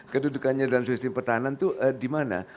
kedudukannya dalam sistem pertahanan itu di mana